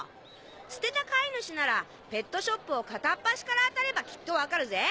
捨てた飼い主ならペットショップを片っ端から当たればきっと分かるぜ！